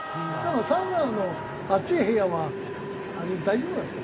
サウナの暑い部屋はあれ大丈夫なんですかね？